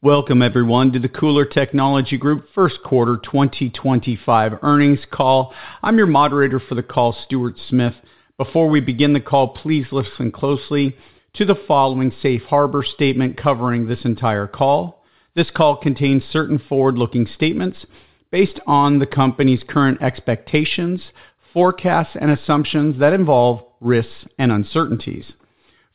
Welcome, everyone, to the KULR Technology Group first quarter 2025 earnings call. I'm your moderator for the call, Stuart Smith. Before we begin the call, please listen closely to the following safe harbor statement covering this entire call. This call contains certain forward-looking statements based on the company's current expectations, forecasts, and assumptions that involve risks and uncertainties.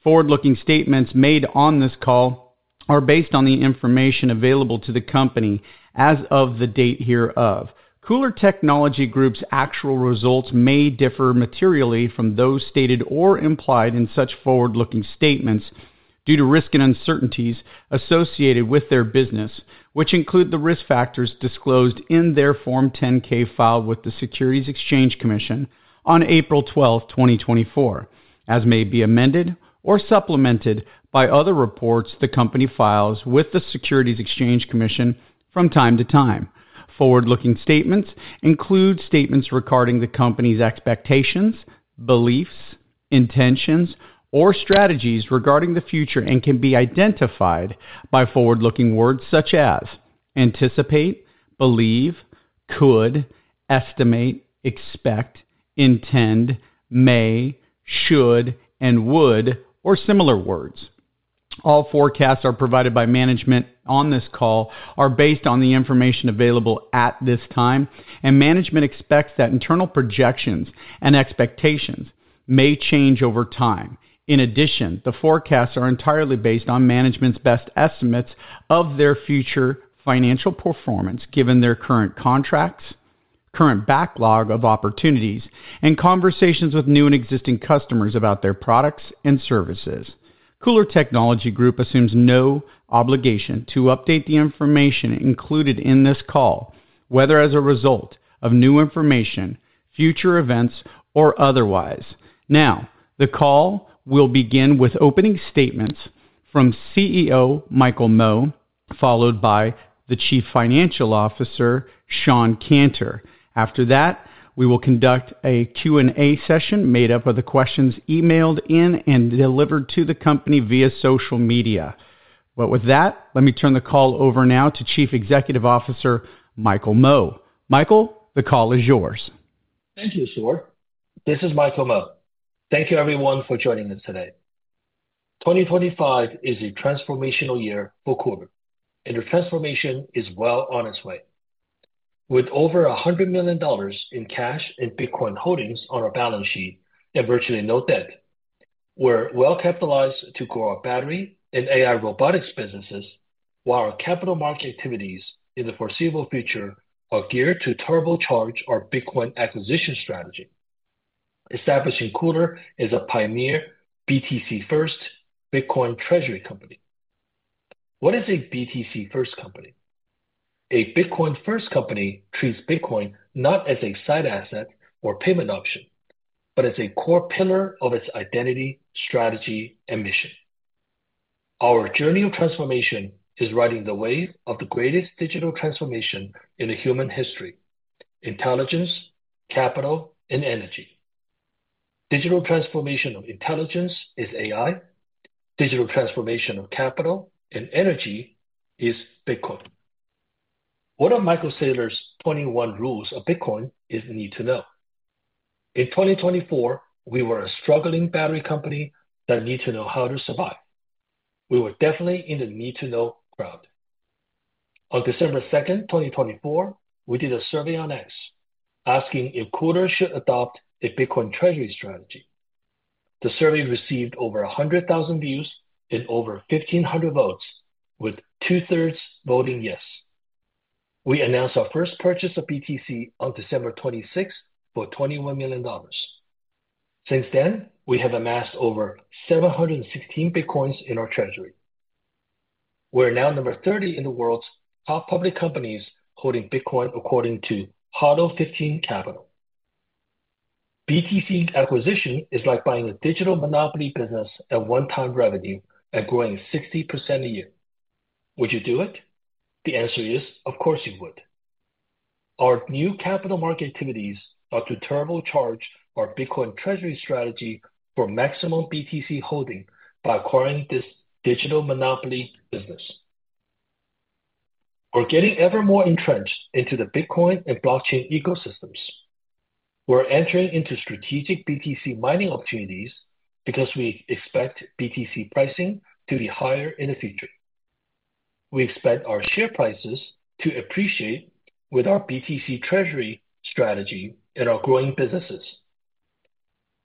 Forward-looking statements made on this call are based on the information available to the company as of the date hereof. KULR Technology Group's actual results may differ materially from those stated or implied in such forward-looking statements due to risks and uncertainties associated with their business, which include the risk factors disclosed in their Form 10-K filed with the Securities and Exchange Commission on April 12, 2024, as may be amended or supplemented by other reports the company files with the Securities and Exchange Commission from time to time. Forward-looking statements include statements regarding the company's expectations, beliefs, intentions, or strategies regarding the future and can be identified by forward-looking words such as anticipate, believe, could, estimate, expect, intend, may, should, and would, or similar words. All forecasts provided by management on this call are based on the information available at this time, and management expects that internal projections and expectations may change over time. In addition, the forecasts are entirely based on management's best estimates of their future financial performance given their current contracts, current backlog of opportunities, and conversations with new and existing customers about their products and services. KULR Technology Group assumes no obligation to update the information included in this call, whether as a result of new information, future events, or otherwise. Now, the call will begin with opening statements from CEO Michael Mo, followed by the Chief Financial Officer, Shawn Canter. After that, we will conduct a Q&A session made up of the questions emailed in and delivered to the company via social media. With that, let me turn the call over now to Chief Executive Officer, Michael Mo. Michael, the call is yours. Thank you, Stuart. This is Michael Mo. Thank you, everyone, for joining us today. 2025 is a transformational year for KULR, and the transformation is well on its way. With over $100 million in cash and Bitcoin holdings on our balance sheet and virtually no debt, we're well-capitalized to grow our battery and AI robotics businesses, while our capital market activities in the foreseeable future are geared to turbocharge our Bitcoin acquisition strategy. Establishing KULR is a pioneer BTC-first Bitcoin treasury company. What is a BTC-first company? A Bitcoin-first company treats Bitcoin not as a side asset or payment option, but as a core pillar of its identity, strategy, and mission. Our journey of transformation is riding the wave of the greatest digital transformation in human history: intelligence, capital, and energy. Digital transformation of intelligence is AI. Digital transformation of capital and energy is Bitcoin. What are Michael Saylor's 21 rules of Bitcoin you need to know? In 2024, we were a struggling battery company that needed to know how to survive. We were definitely in the need-to-know crowd. On December 2nd, 2024, we did a survey on X asking if KULR should adopt a Bitcoin treasury strategy. The survey received over 100,000 views and over 1,500 votes, with two-thirds voting yes. We announced our first purchase of BTC on December 26th for $21 million. Since then, we have amassed over 716 Bitcoins in our treasury. We're now number 30 in the world's top public companies holding Bitcoin, according to HODL15 Capital. BTC's acquisition is like buying a digital monopoly business at one-time revenue and growing 60% a year. Would you do it? The answer is, of course, you would. Our new capital market activities are to turbocharge our Bitcoin treasury strategy for maximum BTC holding by acquiring this digital monopoly business. We're getting ever more entrenched into the Bitcoin and blockchain ecosystems. We're entering into strategic BTC mining opportunities because we expect BTC pricing to be higher in the future. We expect our share prices to appreciate with our BTC treasury strategy and our growing businesses.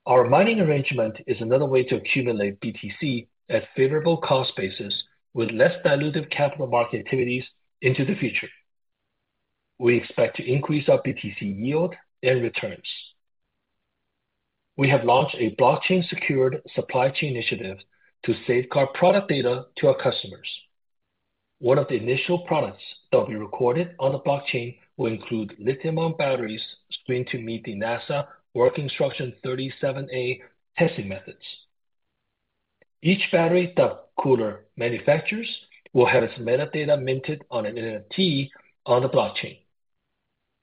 Our mining arrangement is another way to accumulate BTC at favorable cost bases with less diluted capital market activities into the future. We expect to increase our BTC yield and returns. We have launched a blockchain-secured supply chain initiative to safeguard product data to our customers. One of the initial products that will be recorded on the blockchain will include lithium-ion batteries going to meet the NASA Work Instruction 37A testing methods. Each battery that KULR manufactures will have its metadata minted on an NFT on the blockchain.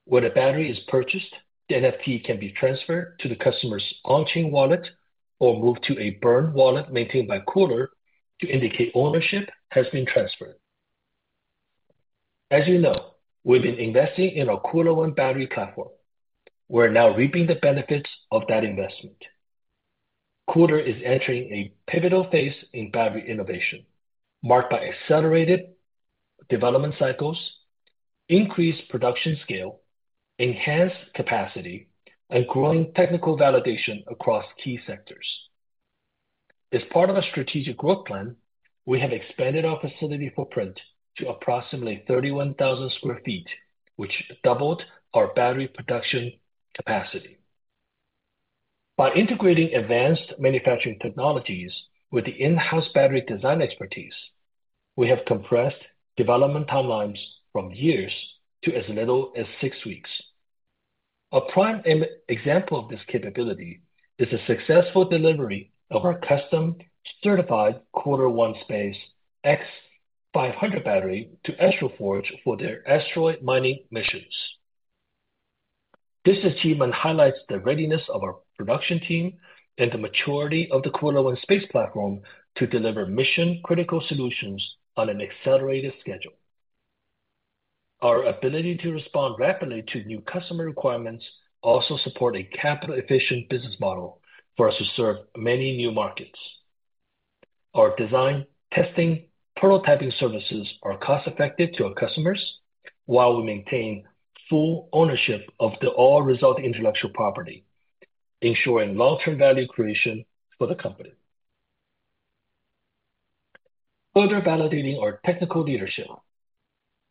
When a battery is purchased, the NFT can be transferred to the customer's on-chain wallet or moved to a burn wallet maintained by KULR to indicate ownership has been transferred. As you know, we've been investing in our KULR One Battery platform. We're now reaping the benefits of that investment. KULR is entering a pivotal phase in battery innovation, marked by accelerated development cycles, increased production scale, enhanced capacity, and growing technical validation across key sectors. As part of our strategic growth plan, we have expanded our facility footprint to approximately 31,000 sq ft, which doubled our battery production capacity. By integrating advanced manufacturing technologies with the in-house battery design expertise, we have compressed development timelines from years to as little as six weeks. A prime example of this capability is the successful delivery of our custom-certified KULR One Space x500 battery to AstroForge for their asteroid mining missions. This achievement highlights the readiness of our production team and the maturity of the KULR One Space platform to deliver mission-critical solutions on an accelerated schedule. Our ability to respond rapidly to new customer requirements also supports a capital-efficient business model for us to serve many new markets. Our design, testing, and prototyping services are cost-effective to our customers, while we maintain full ownership of all-result intellectual property, ensuring long-term value creation for the company. Further validating our technical leadership,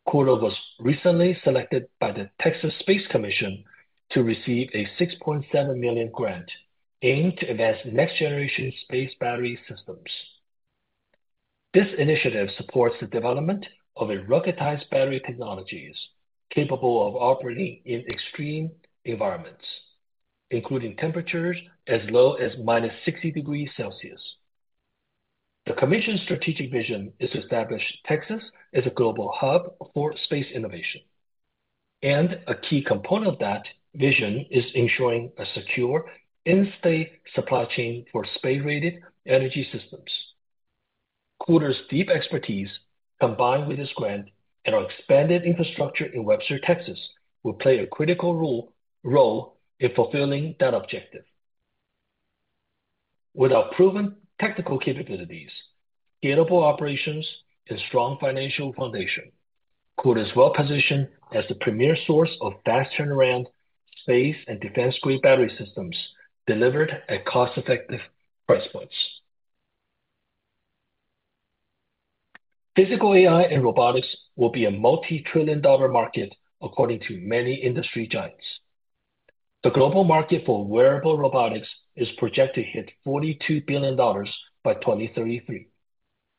KULR was recently selected by the Texas Space Commission to receive a $6.7 million grant aimed to advance next-generation space battery systems. This initiative supports the development of ruggedized battery technologies capable of operating in extreme environments, including temperatures as low as minus 60 degrees Celsius. The commission's strategic vision is to establish Texas as a global hub for space innovation. A key component of that vision is ensuring a secure in-state supply chain for space-rated energy systems. KULR's deep expertise, combined with this grant and our expanded infrastructure in Webster, Texas, will play a critical role in fulfilling that objective. With our proven technical capabilities, scalable operations, and strong financial foundation, KULR is well-positioned as the premier source of fast-turnaround phase and defense-grade battery systems delivered at cost-effective price points. Physical AI and robotics will be a multi-trillion-dollar market, according to many industry giants. The global market for wearable robotics is projected to hit $42 billion by 2033,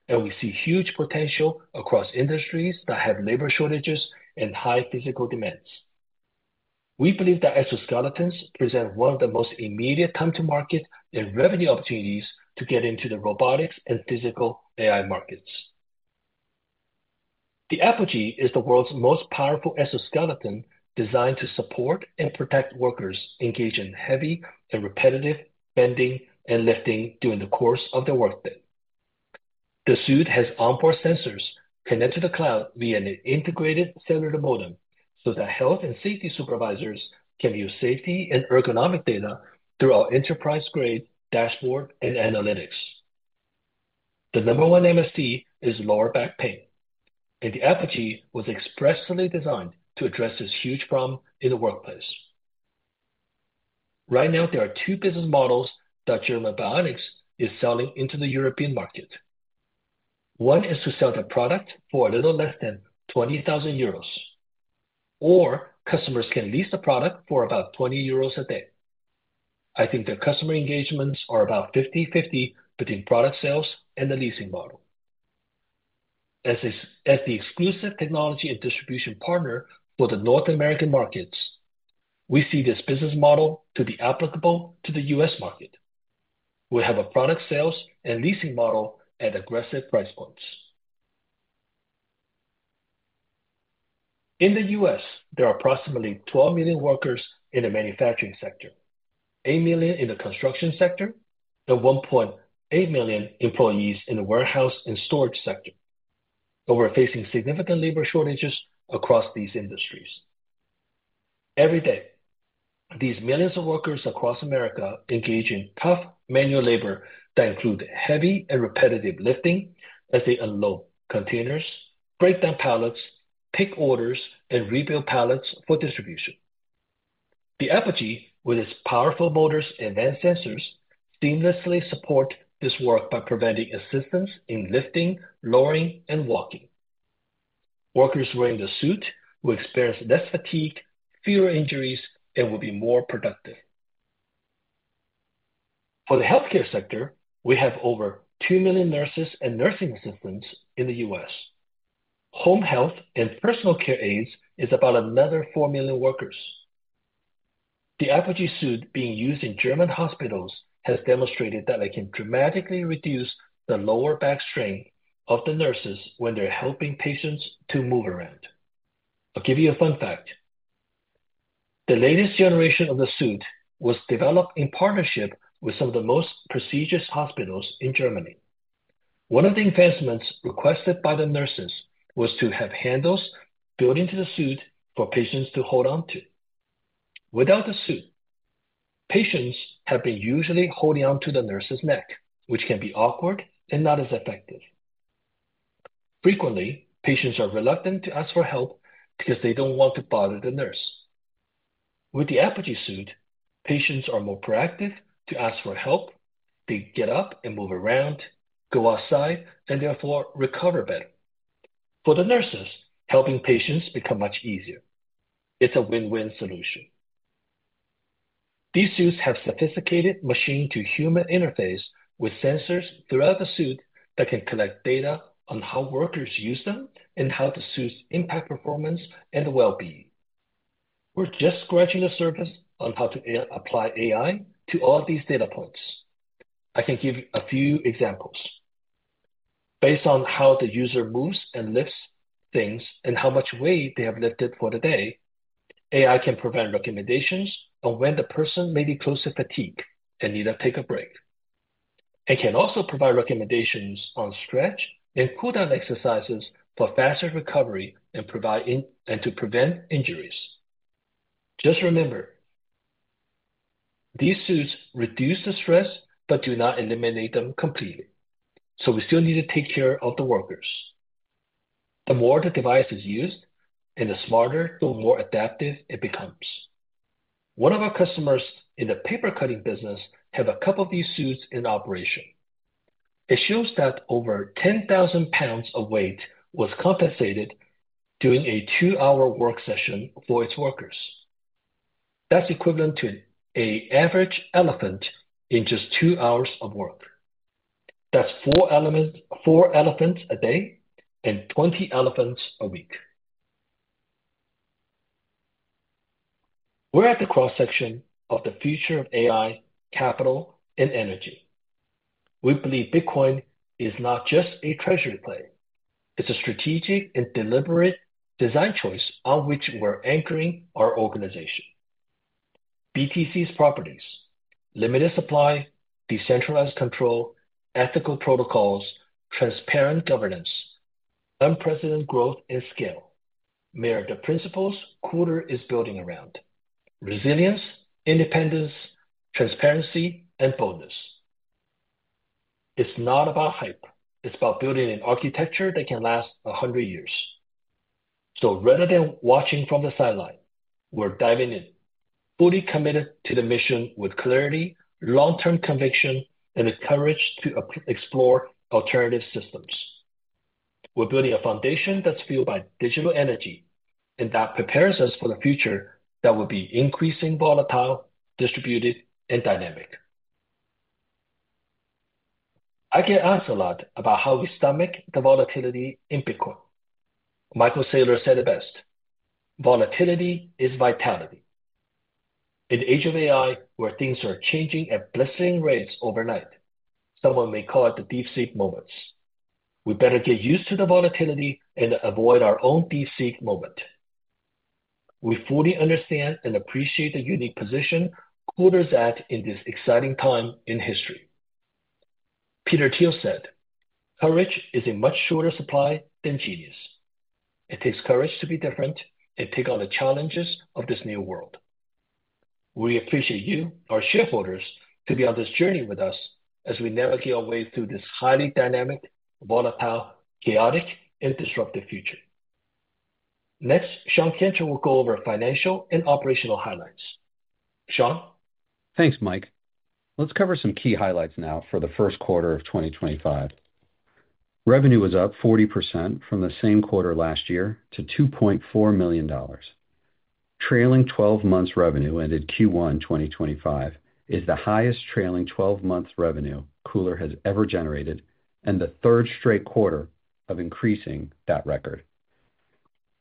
and we see huge potential across industries that have labor shortages and high physical demands. We believe that exoskeletons present one of the most immediate time-to-market and revenue opportunities to get into the robotics and physical AI markets. The Apogee is the world's most powerful exoskeleton designed to support and protect workers engaged in heavy and repetitive bending and lifting during the course of their workday. The suit has onboard sensors connected to the cloud via an integrated cylinder modem so that health and safety supervisors can view safety and ergonomic data through our enterprise-grade dashboard and analytics. The number one MSD is lower back pain, and the Apogee was expressly designed to address this huge problem in the workplace. Right now, there are two business models that German Bionic is selling into the European market. One is to sell the product for a little less than 20,000 euros, or customers can lease the product for about 20 euros a day. I think the customer engagements are about 50/50 between product sales and the leasing model. As the exclusive technology and distribution partner for the North American markets, we see this business model to be applicable to the U.S. market. We have a product sales and leasing model at aggressive price points. In the U.S., there are approximately 12 million workers in the manufacturing sector, 8 million in the construction sector, and 1.8 million employees in the warehouse and storage sector. We are facing significant labor shortages across these industries. Every day, these millions of workers across America engage in tough manual labor that include heavy and repetitive lifting as they unload containers, break down pallets, pick orders, and rebuild pallets for distribution. The Apogee, with its powerful motors and advanced sensors, seamlessly supports this work by preventing assistance in lifting, lowering, and walking. Workers wearing the suit will experience less fatigue, fewer injuries, and will be more productive. For the healthcare sector, we have over 2 million nurses and nursing assistants in the U.S. Home health and personal care aides is about another 4 million workers. The Apogee suit being used in German hospitals has demonstrated that it can dramatically reduce the lower back strain of the nurses when they're helping patients to move around. I'll give you a fun fact. The latest generation of the suit was developed in partnership with some of the most prestigious hospitals in Germany. One of the advancements requested by the nurses was to have handles built into the suit for patients to hold on to. Without the suit, patients have been usually holding on to the nurse's neck, which can be awkward and not as effective. Frequently, patients are reluctant to ask for help because they don't want to bother the nurse. With the Apogee suit, patients are more proactive to ask for help. They get up and move around, go outside, and therefore recover better. For the nurses, helping patients becomes much easier. It's a win-win solution. These suits have sophisticated machine-to-human interface with sensors throughout the suit that can collect data on how workers use them and how the suit impacts performance and well-being. We're just scratching the surface on how to apply AI to all these data points. I can give you a few examples. Based on how the user moves and lifts things and how much weight they have lifted for the day, AI can provide recommendations on when the person may be close to fatigue and need to take a break. It can also provide recommendations on stretch and cool-down exercises for faster recovery and to prevent injuries. Just remember, these suits reduce the stress but do not eliminate them completely. We still need to take care of the workers. The more the device is used and the smarter, the more adaptive it becomes. One of our customers in the paper-cutting business has a couple of these suits in operation. It shows that over 10,000 lbs of weight was compensated during a two-hour work session for its workers. That is equivalent to an average elephant in just two hours of work. That is four elephants a day and 20 elephants a week. We're at the cross-section of the future of AI, capital, and energy. We believe Bitcoin is not just a treasury play. It's a strategic and deliberate design choice on which we're anchoring our organization. BTC's properties: limited supply, decentralized control, ethical protocols, transparent governance, unprecedented growth and scale. Mayor of the principles KULR is building around: resilience, independence, transparency, and boldness. It's not about hype. It's about building an architecture that can last 100 years. Rather than watching from the sideline, we're diving in, fully committed to the mission with clarity, long-term conviction, and the courage to explore alternative systems. We're building a foundation that's fueled by digital energy and that prepares us for the future that will be increasingly volatile, distributed, and dynamic. I get asked a lot about how we stomach the volatility in Bitcoin. Michael Saylor said it best, "Volatility is vitality." In the age of AI, where things are changing at blistering rates overnight, someone may call it the deep sleep moments. We better get used to the volatility and avoid our own deep sleep moment. We fully understand and appreciate the unique position KULR is at in this exciting time in history. Peter Thiel said, "Courage is a much shorter supply than genius. It takes courage to be different and take on the challenges of this new world." We appreciate you, our shareholders, to be on this journey with us as we navigate our way through this highly dynamic, volatile, chaotic, and disruptive future. Next, Shawn Canter will go over financial and operational highlights. Shawn? Thanks, Mike. Let's cover some key highlights now for the first quarter of 2025. Revenue was up 40% from the same quarter last year to $2.4 million. Trailing 12-month revenue ended Q1 2025 is the highest trailing 12-month revenue KULR has ever generated and the third straight quarter of increasing that record.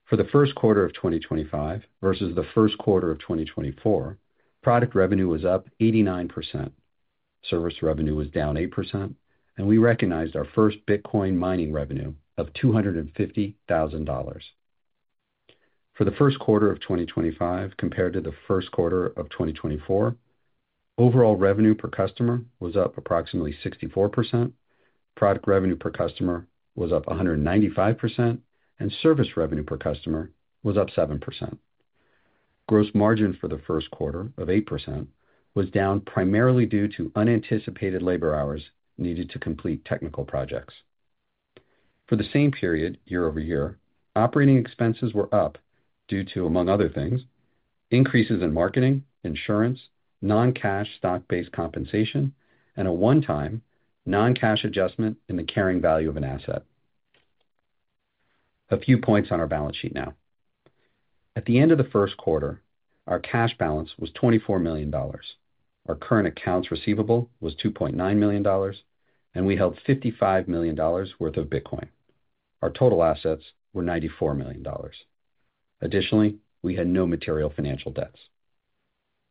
For the first quarter of 2025 versus the first quarter of 2024, product revenue was up 89%, service revenue was down 8%, and we recognized our first Bitcoin mining revenue of $250,000. For the first quarter of 2025 compared to the first quarter of 2024, overall revenue per customer was up approximately 64%, product revenue per customer was up 195%, and service revenue per customer was up 7%. Gross margin for the first quarter of 8% was down primarily due to unanticipated labor hours needed to complete technical projects. For the same period year over year, operating expenses were up due to, among other things, increases in marketing, insurance, non-cash stock-based compensation, and a one-time non-cash adjustment in the carrying value of an asset. A few points on our balance sheet now. At the end of the first quarter, our cash balance was $24 million. Our current accounts receivable was $2.9 million, and we held $55 million worth of Bitcoin. Our total assets were $94 million. Additionally, we had no material financial debts.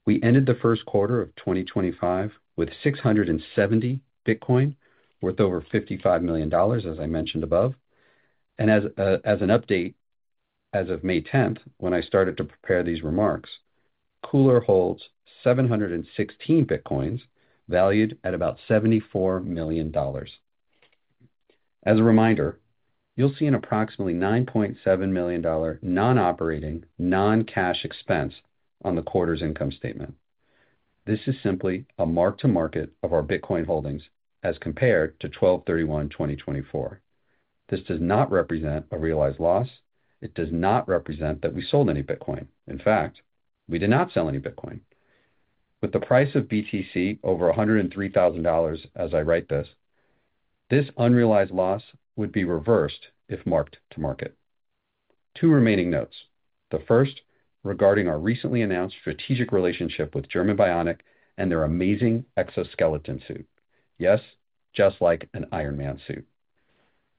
We ended the first quarter of 2025 with 670 Bitcoin worth over $55 million, as I mentioned above. As an update, as of May 10th, when I started to prepare these remarks, KULR holds 716 Bitcoin valued at about $74 million. As a reminder, you'll see an approximately $9.7 million non-operating, non-cash expense on the quarter's income statement. This is simply a mark-to-market of our Bitcoin holdings as compared to 12/31/2024. This does not represent a realized loss. It does not represent that we sold any Bitcoin. In fact, we did not sell any Bitcoin. With the price of BTC over $103,000 as I write this, this unrealized loss would be reversed if marked to market. Two remaining notes. The first regarding our recently announced strategic relationship with German Bionic and their amazing exoskeleton suit. Yes, just like an Iron Man suit.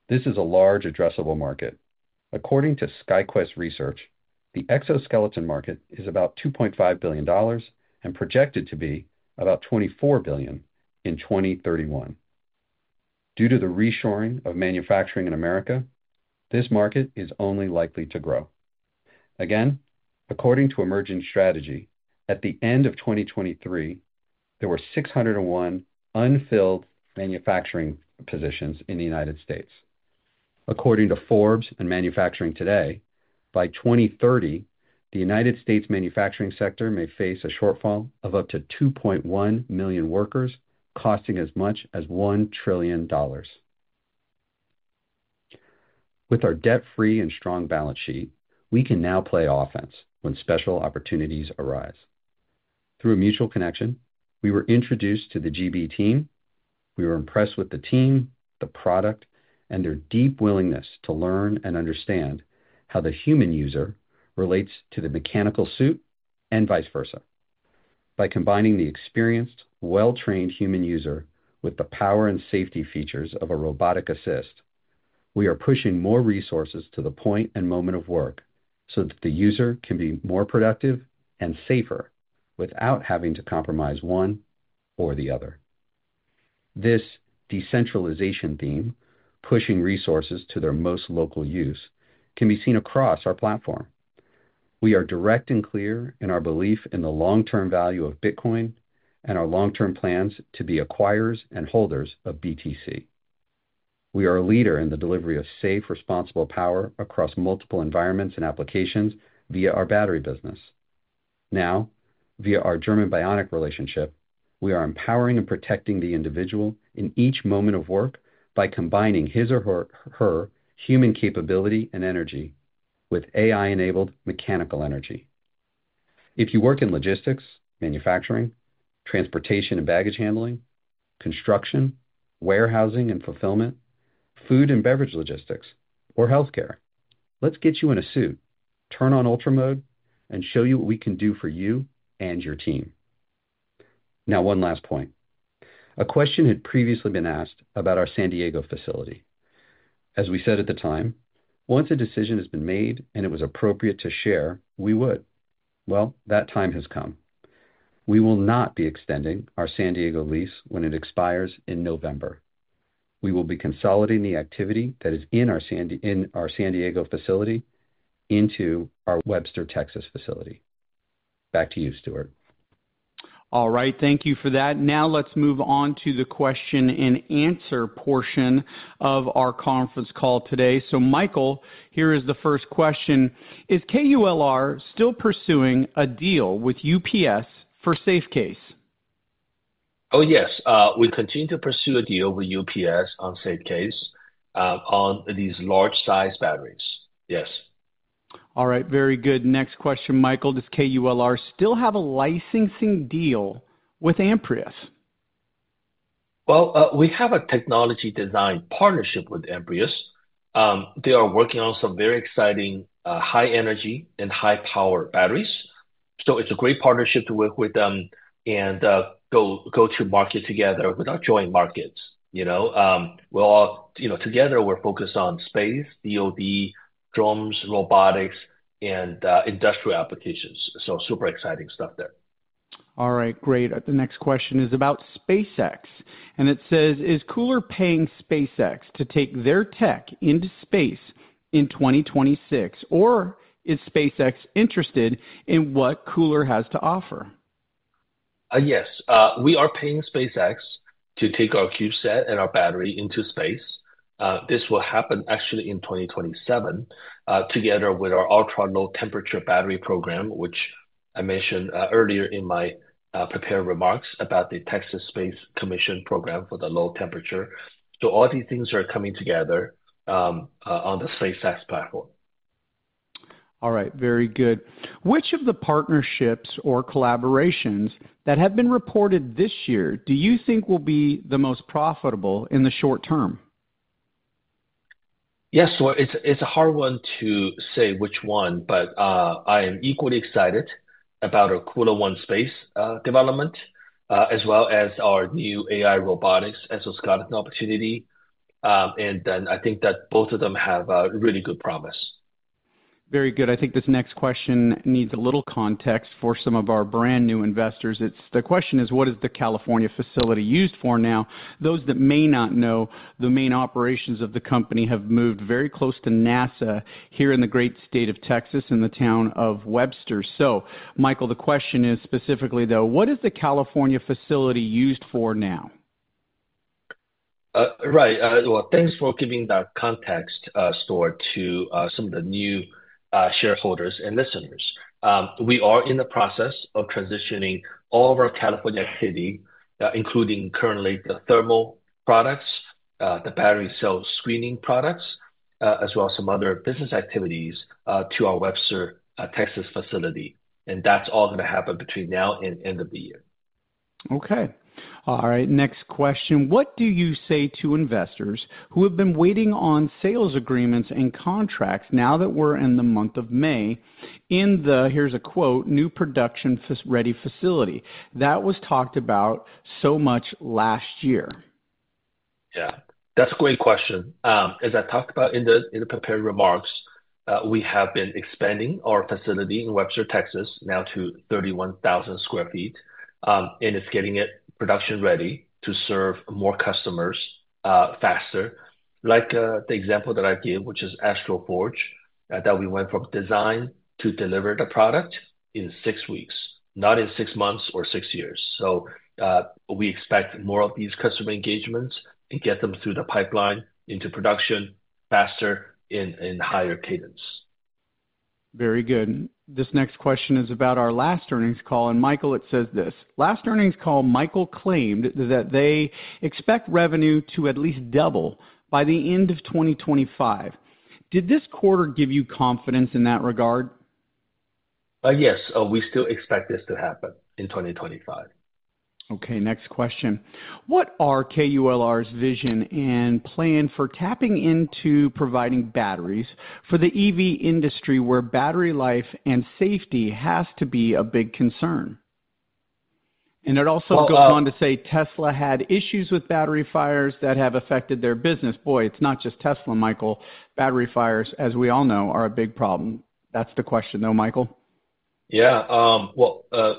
This is a large addressable market. According to SkyQuest Research, the exoskeleton market is about $2.5 billion and projected to be about $24 billion in 2031. Due to the reshoring of manufacturing in America, this market is only likely to grow. Again, according to Emerging Strategy, at the end of 2023, there were 601 unfilled manufacturing positions in the U.S. According to Forbes and Manufacturing Today, by 2030, the U.S. manufacturing sector may face a shortfall of up to 2.1 million workers, costing as much as $1 trillion. With our debt-free and strong balance sheet, we can now play offense when special opportunities arise. Through a mutual connection, we were introduced to the German Bionic team. We were impressed with the team, the product, and their deep willingness to learn and understand how the human user relates to the mechanical suit and vice versa. By combining the experienced, well-trained human user with the power and safety features of a robotic assist, we are pushing more resources to the point and moment of work so that the user can be more productive and safer without having to compromise one or the other. This decentralization theme, pushing resources to their most local use, can be seen across our platform. We are direct and clear in our belief in the long-term value of Bitcoin and our long-term plans to be acquirers and holders of BTC. We are a leader in the delivery of safe, responsible power across multiple environments and applications via our battery business. Now, via our German Bionic relationship, we are empowering and protecting the individual in each moment of work by combining his or her human capability and energy with AI-enabled mechanical energy. If you work in logistics, manufacturing, transportation and baggage handling, construction, warehousing and fulfillment, food and beverage logistics, or healthcare, let's get you in a suit, turn on ultra mode, and show you what we can do for you and your team. Now, one last point. A question had previously been asked about our San Diego facility. As we said at the time, once a decision has been made and it was appropriate to share, we would. That time has come. We will not be extending our San Diego lease when it expires in November. We will be consolidating the activity that is in our San Diego facility into our Webster, Texas facility. Back to you, Stuart. All right, thank you for that. Now let's move on to the question and answer portion of our conference call today. Michael, here is the first question. Is KULR still pursuing a deal with UPS for SafeCASE? Oh, yes. We continue to pursue a deal with UPS on SafeCASE on these large-sized batteries. Yes. All right, very good. Next question, Michael. Does KULR still have a licensing deal with Amprius? We have a technology design partnership with Amprius. They are working on some very exciting high-energy and high-power batteries. It's a great partnership to work with them and go to market together with our joint markets. You know, together, we're focused on space, DOD, drones, robotics, and industrial applications. Super exciting stuff there. All right, great. The next question is about SpaceX. It says, is KULR paying SpaceX to take their tech into space in 2026? Or is SpaceX interested in what KULR has to offer? Yes, we are paying SpaceX to take our kuSAT and our battery into space. This will happen actually in 2027 together with our ultra-low temperature battery program, which I mentioned earlier in my prepared remarks about the Texas Space Commission program for the low temperature. All these things are coming together on the SpaceX platform. All right, very good. Which of the partnerships or collaborations that have been reported this year do you think will be the most profitable in the short term? Yes, it's a hard one to say which one, but I am equally excited about our KULR One Space development, as well as our new AI robotics as a startup opportunity. I think that both of them have really good promise. Very good. I think this next question needs a little context for some of our brand new investors. The question is, what is the California facility used for now? Those that may not know, the main operations of the company have moved very close to NASA here in the great state of Texas in the town of Webster. Michael, the question is specifically, though, what is the California facility used for now? Right. Thanks for giving that context, Stuart, to some of the new shareholders and listeners. We are in the process of transitioning all of our California activity, including currently the thermal products, the battery cell screening products, as well as some other business activities to our Webster, Texas facility. That is all going to happen between now and the end of the year. Okay. All right, next question. What do you say to investors who have been waiting on sales agreements and contracts now that we're in the month of May in the, here's a quote, new production-ready facility? That was talked about so much last year. Yeah, that's a great question. As I talked about in the prepared remarks, we have been expanding our facility in Webster, Texas, now to 31,000 sq ft. It is getting production-ready to serve more customers faster. Like the example that I gave, which is AstroForge, that we went from design to deliver the product in six weeks, not in six months or six years. We expect more of these customer engagements and get them through the pipeline into production faster and in higher cadence. Very good. This next question is about our last earnings call. Michael, it says this. Last earnings call, Michael claimed that they expect revenue to at least double by the end of 2025. Did this quarter give you confidence in that regard? Yes, we still expect this to happen in 2025. Next question. What are KULR's vision and plan for tapping into providing batteries for the EV industry where battery life and safety has to be a big concern? It also goes on to say Tesla had issues with battery fires that have affected their business. Boy, it's not just Tesla, Michael. Battery fires, as we all know, are a big problem. That's the question, though, Michael. Yeah,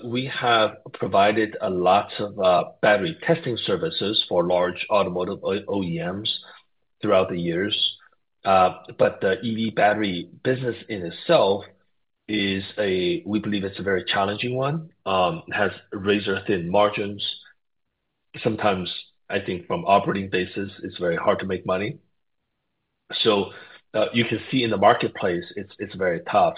we have provided a lot of battery testing services for large automotive OEMs throughout the years. The EV battery business in itself is a, we believe it's a very challenging one. It has razor-thin margins. Sometimes, I think from operating basis, it's very hard to make money. You can see in the marketplace, it's very tough.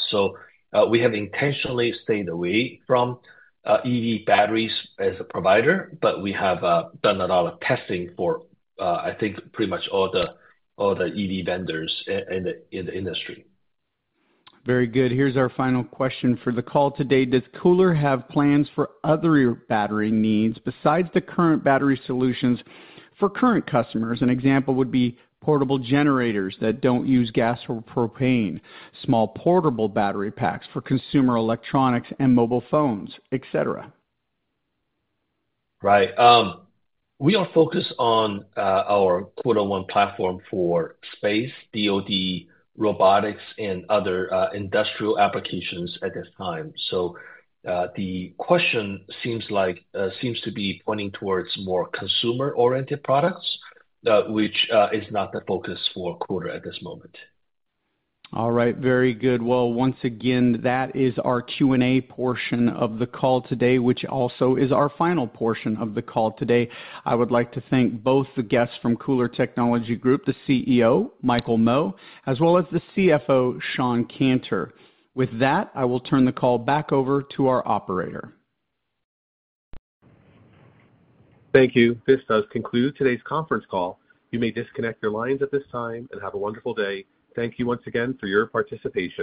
We have intentionally stayed away from EV batteries as a provider, but we have done a lot of testing for, I think, pretty much all the EV vendors in the industry. Very good. Here's our final question for the call today. Does KULR have plans for other battery needs besides the current battery solutions for current customers? An example would be portable generators that do not use gas or propane, small portable battery packs for consumer electronics and mobile phones, etc. Right. We are focused on our KULR One platform for space, DOD, robotics, and other industrial applications at this time. The question seems to be pointing towards more consumer-oriented products, which is not the focus for KULR at this moment. All right, very good. Once again, that is our Q&A portion of the call today, which also is our final portion of the call today. I would like to thank both the guests from KULR Technology Group, the CEO, Michael Mo, as well as the CFO, Shawn Canter. With that, I will turn the call back over to our operator. Thank you. This does conclude today's conference call. You may disconnect your lines at this time and have a wonderful day. Thank you once again for your participation.